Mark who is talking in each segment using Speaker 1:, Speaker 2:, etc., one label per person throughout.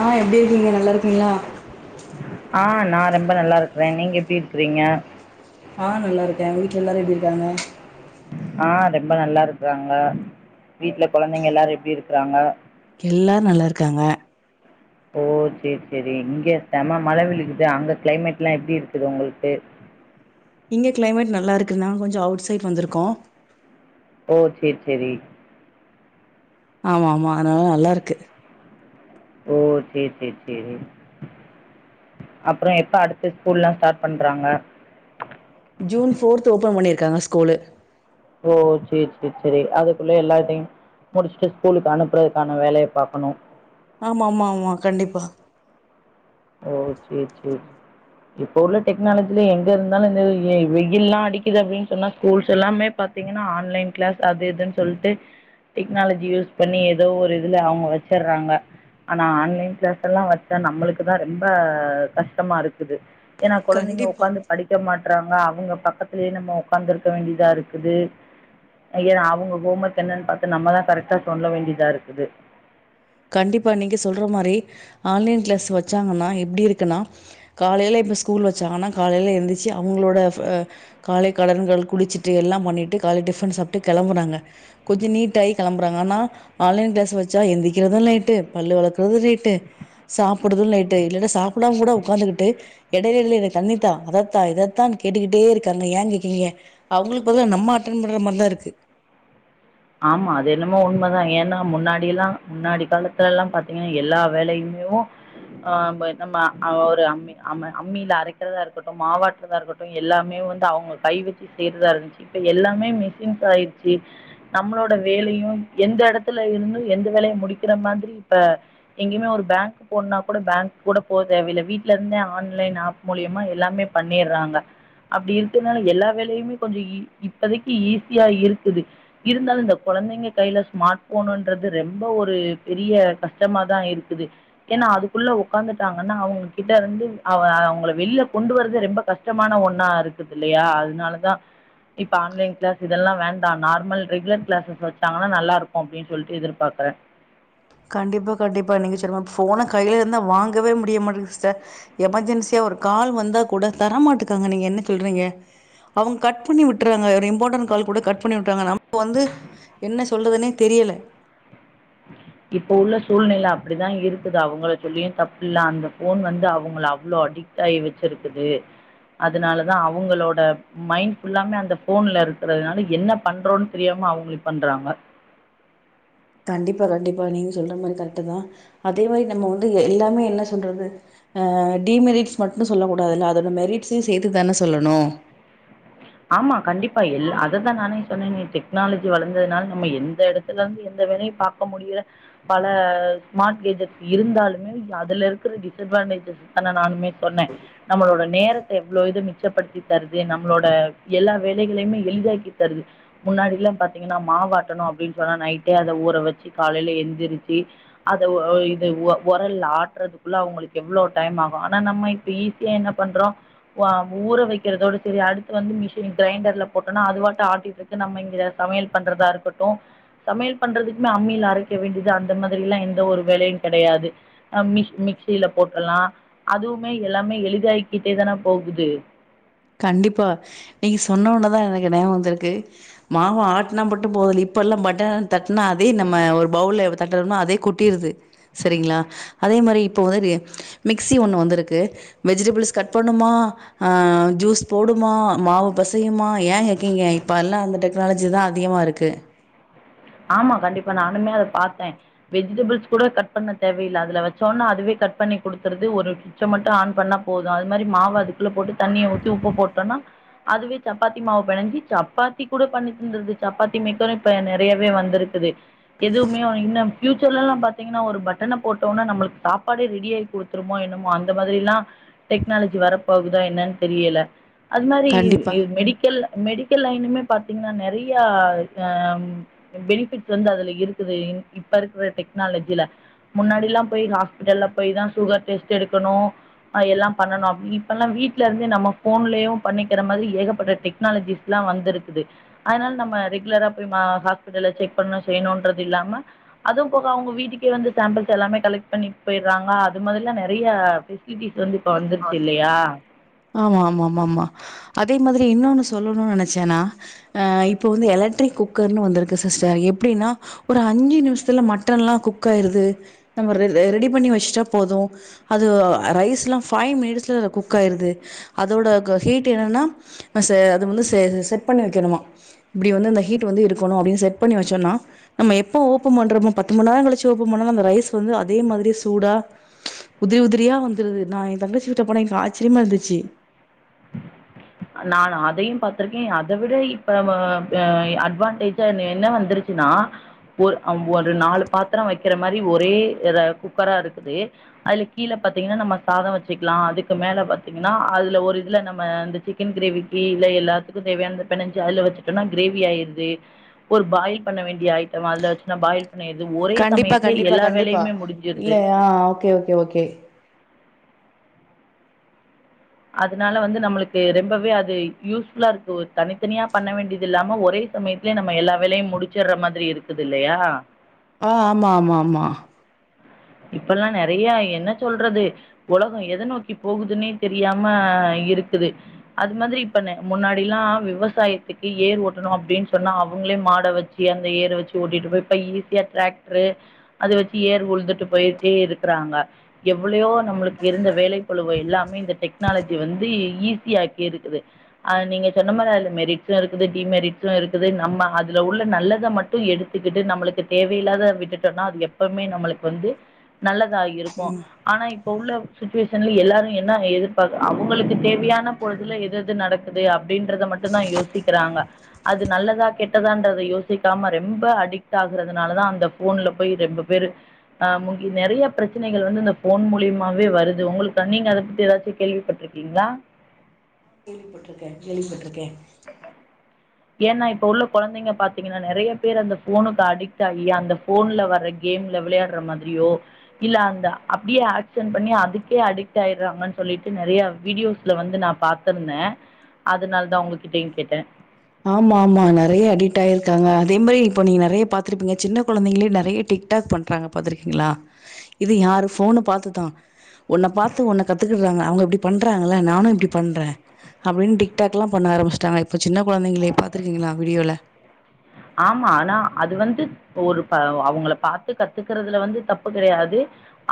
Speaker 1: ஆஹ் எப்படி இருக்கீங்க நல்லா இருக்கீங்களா
Speaker 2: ஆ நான் ரொம்ப நல்லா இருக்கறே நீங்க எப்படி இருக்கிறீங்க
Speaker 1: ஆஹ் நல்லா இருக்க வீட்டுல எல்லாரு எப்படி இருக்காங்க
Speaker 2: ஆஹ் ரொம்ப நல்லா இருக்கறாங்க வீட்டுல குழந்தைங்க எல்லாரு எப்படி இருக்கிறாங்க
Speaker 1: எல்லாரு நல்லா இருக்காங்க
Speaker 2: ஓ செரி செரி இங்க செம மழ விழுக்குது அங்க கிளைமேட் எல்லாம் எப்படி இருக்குது உங்களுக்கு
Speaker 1: இங்க கிளைமேட் நல்லா இருக்குநா கொஞ்சோ அவுட் சைட் வந்திருக்கோ
Speaker 2: ஓ செரி செரி
Speaker 1: ஆமா ஆமா அதனால நல்லா இருக்கு
Speaker 2: ஓ செரி செரி செரி அப்ரோ எப்ப அடுத்த ஸ்கூல்லா ஸ்டார்ட் பண்றாங்க
Speaker 1: ஜூன் போர்த் ஓபன் பண்ணிருக்காங்க ஸ்கூலு
Speaker 2: ஓ செரி செரி செரி அதுக்குள்ள எல்லாத்தையு முடிச்சுட்டு ஸ்கூலுக்கு அனுப்புறதுக்கான வேலைய பார்கக்கணு
Speaker 1: ஆமா ஆமா ஆமா கண்டிப்பா
Speaker 2: ஓ செரி செரி இப்ப உள்ள டெக்னாலஜில எங்க இருந்தாலு இந்த வெயில்லா அடிக்குது அப்படின்னு சொன்னா ஸ்கூல்ஸ் எல்லாமே பாத்தீங்கன்னா ஆன்லைன் கிளாஸ் அது இதுன்னு சொல்ட்டு டெக்னாலஜி யூஸ் பண்ணி ஏதோ ஒரு இதுல அவங்க வச்சறாங்க ஆனா ஆன்லைன் கிளாஸ்ல்லா வச்சா நம்மளுக்கு தா ரொம்ப கஷ்டமா இருக்குது ஏனா குழந்தைங்க
Speaker 1: கண்டிப்பா
Speaker 2: உட்காந்து படிக்க மாட்ட றாங்க அவங்க பக்கத்துலேயே நம்ம உட்காந்து இருக்க வேண்டியதா இருக்குது ஏ அவங்க ஹோ ஒர்க் என்னன்னு பாத்து நம்மதா கரெக்டா சொல்ல வேண்டியதா இருக்குது
Speaker 1: கண்டிப்பா நீங்க சொல்ற மாரி ஆன்லைன் கிளாஸ் வச்சாங்கன்னா எப்படி இருக்குன்னா காலையில இப்ப ஸ்கூல் வச்சாங்கன்னா காலையில எழுந்திச்சு அவங்களோட ஆஹ் காலை கடன்கள் குளிச்சுட்டு எல்லாம் பண்ணிட்டு காலை டிஃபன் சாப்பிட்டு கிளம்புறாங்க கொஞ்சோ நீட்டாயி கிளம்புறாங்க ஆனா ஆன்லைன் கிளாஸ் வச்சா எந்திரிக்க க்கிறது லேட்டு பல்லு வளக்குறது லேட்டு சாப்புடுறது லேட்டு இல்லனா சாப்டாம கூட உட்காந்துகிட்டு எடையெடையில எனக்கு தண்ணிதா அதத்தா இதத்தான்னு கேட்டுக்கிட்டே இருக்காங்க ஏங் கேக்ரிங்க அவங்களுக்கு பதிலா நம்ம அட்டன் பண்ற மாரிதா இருக்கு
Speaker 2: ஆமா அது என்னமோ உண்மதா ஏனா முன்னாடி எல்லா முன்னாடி காலத்துல எல்லா பாத்தீங்கன்னா எல்லா வேலையுமேவு ஆஹ் நம்ம ஒரு அம்மி அம் அம்மியில அரைக்கிறதா இருக்கட்டு மாவாட்டுறதா இருக்கட்டு எல்லாமே வந்து அவங்க கை வச்சு செய்யறதா இருந்ச்சு இப்ப எல்லாமே மிஷின்ஸ் ஆயிருச்சு நம்மளோட வேலையு எந்த எடத்துல இருந்து எந்த வேலைய முடிக்கிற மாதிரி இப்ப எங்கேயுமே ஒரு பேங்க் போணுனா கூட பேங்க் கூட போ தேவல வீட்டுல இருந்தே ஆன்லைன் ஆப் மூலியமா எல்லாமே பண்னிறாங்க அப்படி இருக்கரனால எல்லா வேலையுமே கொஞ்சோ இப்பதைக்கு ஈஸியா இருக்குது இருந்தாலு இந்த கோழந்தைங்க கையில ஸ்மார்ட் போனுன்றது ரொம்ப ஒரு பெரிய கஷ்டமா தா இருக்குது ஏனா அதுக்குள்ள உட்காந்துட்டாங்கன்னா அவங்க கிட்ட இருந்து அவ அவங்கள வெளியில கொண்டு வரது ரொம்ப கஷ்டமான ஒன்னா இருக்குது இல்லையா அதனால தா இப்போ ஆன்லைன் கிளாஸ் இதெல்லா வேண்டா நார்மல் ரெகுலர் கிளாஸஸ் வச்சாங்கன்னா நல்லா இருக்கூ அப்டின் சொல்ட்டு எதிர்பாக்கற
Speaker 1: கண்டிப்பா கண்டிப்பா நீங்க சொல்மா ஃபோன கையில இருந்தா வாங்கவே முடிய மாட்டேகுது ஸ்டர் எமெர்ஜென்சியா ஒரு கால் வந்தா கூட தரமாட்டேக்காங்க நீங்க என்ன சொல்றீங்க அவங்க கட் பண்ணி விட்டுறாங்க ஒரு இம்பார்ட்டன்ட் கால் கூட கட் பண்ணி விட்டுறாங்க நம வந்து என்ன சொல்றதுன்னே தெரியல
Speaker 2: இப்போ உள்ள சூழ்நில அப்படிதா இருக்குது அவங்கள சொல்லியு தப்புல்ல அந்த ஃபோன் வந்து அவங்கல அவ்லோ அடிக்ட் ஆகி வச்சிருக்குது அதனாலதா அவங்களோட மைண்ட் ஃபுல்லாமே அந்த போன்ல இருக்கறிறதுனால என்ன பண்றோன் தெரியாம அவங்களு பண்றாங்க
Speaker 1: கண்டிப்பா கண்டிப்பா நீங்க சொல்ற மாரி கரெக்ட் தா அதே மாரி நம்ம வந்து ஏ எல்லாமே என்ன சொல்றது அஹ் டிமெரிட்ஸ் மட்டு சொல்ல கூடாதுல்ல அதோட மெரிட்ஸையு சேத்துதானே சொல்லணு
Speaker 2: ஆமா கண்டிப்பா எல் அததா நானே சொன்னனே டெக்னாலஜி வளந்ததுனால நம்ம எந்த எடத்துலருந்து எந்த வேளையும் பாக்க முடியிற பல ஸ்மார்ட் கேஜட்ஸ் இருந்தாலுமே அதுல இருக்கிற டிஸ்அட்வான்டேஜஸ் தான நானுமே சொன்ன நம்மளோட நேரத்த எவ்வளோ இது மிச்சப்படுத்தி தருது நம்மளோட எல்லா வேலைகளையுமே எளிதாக்கி தருது முன்னாடி எல்லா பாத்தீங்கன்னா மாவாட்டணு அப்படின்னு சொன்னா நைட்டே அத ஊற வச்சு காலைல எழுந்திரிச்சு அதை இது உரல்ல ஆட்டுறதுக்குள்ள அவங்களுக்கு எவ்வளவு டைம் ஆகும் ஆனா நம்ம இப்ப ஈஸியா என்ன பண்றோம் ஊற வைக்கிறதோட சரி அடுத்து வந்து கிரைண்டர்ல போட்டோனா அதுவாட்ட ஆட்டிட்டு இருக்கு நம்ம இங்க சமையல் பண்றதா இருக்கட்டு சமையல் பண்றதுக்குமே அம்மியில அரைக்க வேண்டியது அந்த மாதிரி எல்லா எந்த ஒரு வேலையு கிடையாது அ மிஸ் மிக்சில போட்ரலா அதுவுமே எல்லாமே எளிதாயிக்கிட்டே தான போகுது
Speaker 1: கண்டிப்பா நீங்க சொன்ன ஓனோதா எனக்கு ஞாபகம் வந்துருக்கு மாவ ஆட்டனா மட்டு போதல இப்ப எல்லா பட்ட தட்டனா அதே நம்ம ஒரு பவுல்ல தட்டுறோனா அதே கொட்டிருது சரிங்களா அதே மாரி இப்ப வந்து மிக்சி ஒண்ணு வந்திருக்கு வெஜிடபிள்ஸ் கட் பண்ணுமா ஆஹ் ஜூஸ் போடுமா மாவு பெசையுமா ஏ கேக்கீங்க இப்ப எல்லா அந்த டெக்னாலஜி தா அதிகமா இருக்கு
Speaker 2: ஆமா கண்டிப்பா நானுமே அத பாத்த வெஜிடேபிள்ஸ் கூட கட் பண்ண தேவயில்ல அதுல வச்சோனா அதுவே கட் பண்ணி குடுத்துடுது ஒரு சுவிட்ச மட்டு ஆன் பண்ணா போது அது மாரி மாவு அதுக்குள்ள போட்டு தண்ணிய ஊத்தி உப்பு போட்டோனா அதுவே சப்பாத்தி மாவு பெனஞ்சி சப்பாத்தி கூட பண்ணி தந்துது சப்பாத்தி மே இப்ப றையாவே வந்திருக்குது எதுவுமே இன்னு பியூச்சர்லல்லா பாத்தீங்கன்னா ஒரு பட்டன போட்டோனா நம்மளுக்கு சாப்பாடே ரெடி ஆகி குடுத்துருமோ என்னமோ அந்த மாதிரி எல்லா டெக்னாலஜி வரப் போகுதா என்னன்னு தெரியல அது மாரி
Speaker 1: கண்டிப்பா.
Speaker 2: எ மெடிக்கல்ல மெடிக்கல் லைனுமே பாத்தீங்கன்னா நறையா இந்தம் பெனிஃபிட் வந்து அதுல இருக்குது இப்ப இருக்கிற டெக்னாலஜில முன்னாடில்லாம் போய் ஹாஸ்பிடல்ல போயி தான் சுகர் டெஸ்ட் எடுக்கணும் அ எல்லாம் பண்ணணும் இப்ப எல்லாம் வீட்ல இருந்தே நம்ம ஃபோன்லயும் பண்ணிக்கிற மாதிரி ஏகப்பட்ட டெக்னாலஜிஸ் எல்லாம் வந்திருக்குது அதனால நம்ம ரெகுலரா போய் ம ஹாஸ் டல்லு செக் பண்ணும் செய்யணும்ன்றது இல்லாம அதுவும் போக அவுங்க வீட்டுக்கே வந்து சாம்பிள்ஸ் எல்லாமே கலெக்ட் பண்ணிட்டு போயிடுறாங்க அது மாதிரிலாம் நறைய ஃபெசிலிட்டிஸ் வந்து இப்ப வந்துருச்சு இல்லையா
Speaker 1: ஆமாம் ஆம ஆம ஆமாம் அதே மாதிரி இன்னொன்னு சொல்லணும்னு நெனச்சேன்னா அ இப்போ வந்து எலக்ட்ரிக் குக்கர்ன்னு வந்திருக்கு சிஸ்டர் எப்படின்னா ஒரு அஞ்சு நிமிஷத்துல மட்டன்லாம் குக் ஆயிருது நம்ம ரெ ரெடி பண்ணி வச்சுட்டா போதும் அது ரைஸ்லாம் ஃபைவ் மினிட்ஸில குக் ஆயிருது அதோட ஹீட் என்னன்னான்னா அ செ அதுவந்து செ செட் பண்ணி வெக்கணுமா இப்படி வந்து அந்த ஹீட் வந்து இருக்கணும் அப்படின்னு செட் பண்ணி வச்சோம்னா நம்ம எப்ப ஓபன் பண்றோமோ பத்து மண் நேரங் கழிச்சு ஓபன் பண்ணா அந்த ரைஸ் வந்து அதே மாதிரியே சூடா உதிரி உதிரியா வந்துருது நான் என் தங்கச்ச வீட்டுக்கு போனேன் ஆச்சரியமா இருந்துச்சு ச்சி
Speaker 2: நானு அதையும் பாத்திருக்கேன் அத விட இப்ப் வ ப அட்வான்டேஜா என்ன வந்துருச்சுன்னா ஒரு ஒரு நாலு பாத்திரம் வெக்கிற மாதிரி ஒரே குக்கரா இருக்குது அதுல கீழ பாத்தீங்கன்னா நம்ம சாதம் வச்சுக்கலாம் அதுக்கு மேல பா்த்தீங்கன்னா அதுல ஒரு இதுல நம்மந்து சி சிக்கன் கிரேவிக்கு இல்ல எல்லாத்துக்கும் தேவையானத பெனஞ்சு அதுல வெச்சட்டோனா கிரேவி ஆயிருது ஒரு பாயில் பண்ண வேண்டிய ஐட்டம் அதுல வச்சுா பாயில் பண்ணிருது ஒரே
Speaker 1: கண்டிப்பா
Speaker 2: சமயத்துல
Speaker 1: கண்டிப்பா
Speaker 2: எல்லா
Speaker 1: கண்டிப்பா
Speaker 2: வேலையுமே முடிஞ்சிருது
Speaker 1: இல்ல ஆஹ் ஓகே ஓகே ஓகே
Speaker 2: அதனால வந்து நம்மளுக்கு ரெம்பவே அது யூஸ்ஃபுல்லா இருக்கு ஒர் தனித்தனியா பண்ண வேண்டியது இல்லாம ஒரே சமயத்லே நம்ம எல்லா வேலையும் முடிச்சர்ற மாதிரி இருக்குது இல்லையா
Speaker 1: ஆஹ் ஆமா ஆமா ஆமா
Speaker 2: இப்பெல்லாம் நறையா என்ன சொல்றது உலஹோ எத நோக்கி போகுதுன்னே தெரியாம இருக்குது அது மாதிரி இப்ப ந முன்னாடில்லா விவசாயத்துக்கு ஏர் ஓட்டணும் அப்படின்னு சொன்னா அவங்களே மாட வச்சு அந்த ஏரு வெச்சு ஓட்டிட்டு போய் இப்ப ஈஸியா டிராக்ட்ரு அது வெச் ஏர் உழுதுட்டு போயிட்டே இருக்குறாங்க எவ்வளையோ நம்மளுக்கு இருந்த வேலை பளுவை எல்லாமே இந்த டெக்னாலஜி வந்து ஈஸியாக்கி இருக்குது அ நீங்க சொன்ன மாரி அதுல மெரிட்ஸு இருக்குது டிமெரிட்ஸு இருக்குது நம்ம அதுல உள்ள நல்லத மட்டு எடுத்துக்கிட்டு நம்மளுக்கு தேவையில்லாத விட்டுட்டோனா அது எப் எப்பவுமே நம்மளுக்கு வந்து நல்லதாகி இருக்கும் ஆனா இப்ப உள்ள சிட்டுவேஷன்ல எல்லாரு என்ன எதிர்பாக்குறா அவுங்களுக்கு தேவையான பொழுதுல எது எது நடக்குது அப்டின்றத மட்டுந் தா யோசிக்றாங்க அது நல்லதா கெட்டதான்ரத யோசிக்காம ரெம்ப அடிக்ட் ஆகுறதுனால தா அந்த போன்ல போய் ரெம்ப வேரு அஹ் முகி நறைய ப்ரெச்சனைகள் வந்து இந்த போன் மூலியமாவே வருது உங்களுக்க நீங்க அத பத்தி ஏதாச்சி கேள்விப்பட்டிருக்கீங்களா
Speaker 1: கேள்விப்பட்டிருக்கேன் கேள்விப்பட்டிருக்கேன்
Speaker 2: ஏன்னா இப்ப உள்ள கொழந்தைங்க பாத்தீங்கன்னா நறையா பேர் அந்த ஃபோனுக்கு அடிக்ட் ஆகி அந்த ஃபோன்ல வர்ற கேம்ல விளையாடுற மாதிரியோ இல்ல அந்த அப்டியே ஆக்சன் பண்ணி அதுக்கே அடிக்ட் ஆயிடுறாங்கன்னு சொல்லிட்டு நறைய வீடியோஸ்ல வந்து நா பாத்திருந்தே அதுனால் தா உங்ககிட்டயையு கேட்டே
Speaker 1: ஆமா ஆமா நறைய அடிக்ட் ஆயிருக்காங்க அதே மாரி இப்ப நீங்க நறைய பாத்துருப்பீங்க சின்ன கொழந்தைங்களே நறைய டிக்டாக் பண்றாங்க பாத்துருக்கீங்களா இது யாரு ஃபோன்னு பாத்துதா ஒன்ன பாத்து ஒன்ன கத்துக்கிடுறாங்க அவுங்க இப்படி பண்றாங்கல்ல நானு இப்படி பண்றே அப்படின்னு டிக்டாக் எல்லா பண்ண ஆரம்பிச்சட்டாங்க இப்ப சின்ன கொழந்தைங்களே பாத்துருக்கீங்களா வீடியோல
Speaker 2: ஆமா ஆனா அது வந்து ஒரு ப வ அவுங்கள பாத்து கத்துக்குறதுல வந்து தப்பு கெடையாது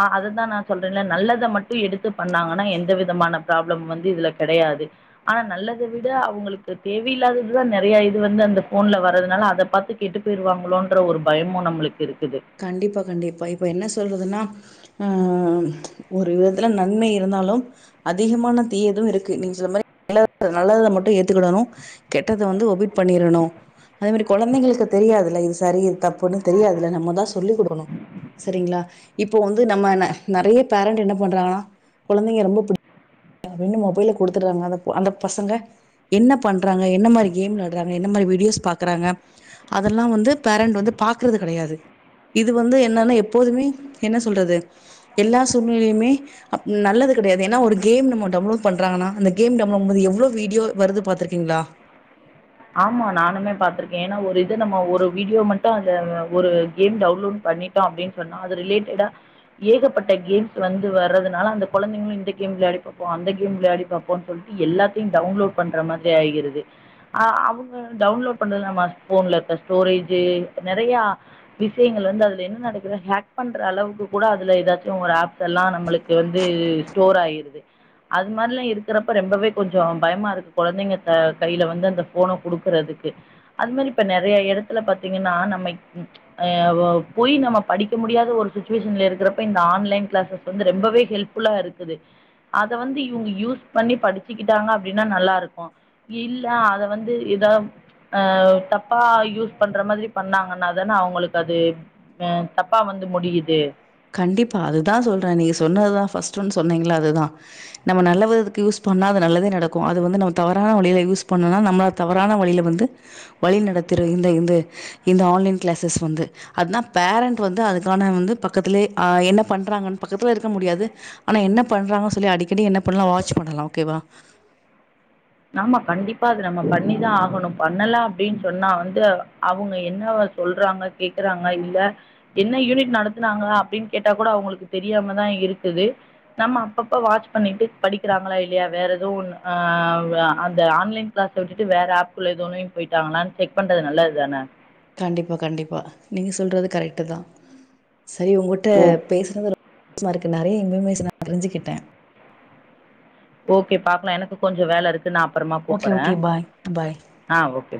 Speaker 2: ஆஹ் அததா நா சொல்றன்ல நல்லத மட்டு எடுத்து பண்ணாங்கன்னா எந்த விதமான ப்ராப்ளம் வந்து இதுல கெடையாது ஆனா நல்லத விட அவுங்களுக்கு தேவையில்லாததுதா நறைய இது வந்து அந்த ஃபோன்ல வ ரதுனால அத பாத்து கெட்டு போயிருவாங்களோன்ற ஒரு பயமு நம்மளுக்கு இருக்
Speaker 1: கண்டிப்பா கண்டிப்பா இப்ப என்ன சொல்றதுன்னா ஆஹ் ஒரு விதத்துல நன்மை இருந்தாலு அதிகமான தீயது இருக்கு நீங்க சொன்ன மாரி [inaudible] நல்லத மட்டும் ஏத்துக்கிடணு கெட்டத வந்து ஒமிட் பண்ணிரணு அதே மாரி கொழந்தைங்களுக்கு தெரியாதுல்ல இது சரி இது தப் புனு தெரியாதுல நம்ம தா சொல்லிகுடுகணு செரிங்களா இப்போ வந்து நம்ம ந நறைய பேரண்ட் என்ன பண்றாங்கன்னா கொழந்தைங்க ரொம்ப புடி [unintelligible] மொபைல குடுத்துடுறாங்க அந்த பொ பசங்க என்ன பண்றாங்க என்ன மாரி கேம் விளாடுறாங்க என்ன மாரி வீடியோஸ் பாக்குறாங்க அதெல்லா வந்து பேரண்ட் வந்து பாக்றது கெடையாது இது வந்து என்னன்னா எப்போதுமே என்ன சொல்றது எல்லா சூழ்நிலையுமே அம் நல்லது கடையாது ஏன்னா ஒரு கேம் மோ டவுன்லோட் பண்றாங்கனா அந்த கேம் டமமோது எவ்ளோ வீடியோ வருது பாத்துருக்கீங்களா
Speaker 2: ஆமா நானுமே பாத்திருக்கேன் ஏன்னா ஒரு இது நம்ம ஒரு வீடியோ மட்டு அந்த ஒரு கேம் டவுன்லோட் பண்ணிட்டோ அப்டின் சொன்னா அது ரிலேட்டடா ஏகப்பட்ட கேம்ஸ் வந்து வர்றதுனால அந்த குழந்தைங்களு இந்த கேம் விளையாடி பாப்போ அந்த கேம் விளையாடி பாப்போம்னு சொல்ட்டு எல்லாத்தையு டவுன்லோட் பண்ற மாதிரி ஆகிருது அ அவுங்க டவுன்லோட் பண்ணுறல ம நம்ம ஃபோன்ல இருக்க ஸ்டோரேஜு நறையா விஷயங்கள் வந்து அதுல என்ன நடக்குது ஹேக் பண்ற அளவுக்கு கூட அதுல ஏதாச்சு ஒரு ஆப்ஸ்ல்லா நம்மளுக்கு வந்து ஸ்டோர் ஆகிர்து அது மாரிலா இருக்குறப்ப ரெம்பவே கொஞ்சோ பயமா இருக்கு கொழந்தைங்க ட கைல வந்து அந்த போன குடுக்குறதுக்கு அது மாரி இப்ப நறைய எடத்துல பாத்தீங்கன்னா நம்ம அ ஒ போய் நம்ம படிக்க முடியாத ஒரு சுட்டுவேஷன்ல இருக்குரப்ப இந்த ஆன்லைன் கிளாஸ் வந்து ரெம்பவே ஹெல்ப் ஃபுல்லா இருக்குது அத வந்து இவுங்க யூஸ் பண்ணி படிச்சிகிட்டாங்க அப்படின்னா நல்லாருக்கு இல்ல அத வ வந்து எதா ஆஹ் தப்பா யூஸ் பண்ற மாதிரி பண்ணாங்கன்னாாதான அவுங்களுக்கு அது அ தப்பா வந்து முடியுது
Speaker 1: கண்டிப்பா அதுதா சொல்ற நீங்க சொன்னதுதா ஃபஸ்ட் ஒன் சொன்னீங்கல்ல அதுதான் நம்ம நல்லவிதுக்கு யூஸ் பண்ணா அது நல்லதே நடக்கு அது வந்து நம்ம தவறான வழியில யூஸ் பண்ணனா நம்ம தவறான வழில வந்து வழி நடத்திரு இந்து இந்த இந்த ஆன்லைன் கிளாஸஸ் வந்து அதுனா பேரண்ட் வந்து அதுக்கான வந்து பக் பக்கத்துலே ஆ என்ன பண்றாங்கன்னு பக்கத்துல இருக்க முடியாது ஆனா என்ன பண்றாங்க சொல்லி அடிக்கடி என்ன பண்ணலா வாட்ச் பண்ணலா ஓகேவா
Speaker 2: நாம கண்டிப்பா அது நம்ப பண்ணிதா ஆகணு பண்ணல அப்டின் சொன்னா வந்து அவுங்க என்னவ சொல்றாங்க கேக்குறாங்க இல்ல என்ன யூனிட் நடத்துனாங்களா அப்டின் கேட்டா கூட அவுங்களுக்கு தெரியாமதா இருக்குது நம்ம அப்பப்ப வாட்ச் பண்ணிட்டு படிக்கிறாங்களா இல்லையா வேற எதுவு ஒன்னு ஆஹ் வ அந்த ஆன்லைன் கிளாஸ விட்டுட்டு வேற ஆப்குள்ள எத ஒனுலயு போய்ட்டாங்களான் செக் பண்றது நல்லது தான
Speaker 1: கண்டிப்பா கண்டிப்பா நீங்க சொல்றது கரெக்ட்டு தா சரி உங்கட்ட
Speaker 2: ஓ
Speaker 1: பேசுனது மாருக்கு நறைய இன்பமேஷன தெரிஞ்சுகிட்ட
Speaker 2: ஓகே பாக்லா எனக் கொஞ்ச வேல இருக் து நா அப்பறமா
Speaker 1: ஓகே,
Speaker 2: கூப்புறே
Speaker 1: ஓகே. பாய். பாய்.
Speaker 2: ஆ ஓ